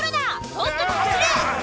とっとと走れ！